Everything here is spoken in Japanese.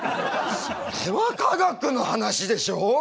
それは化学の話でしょ！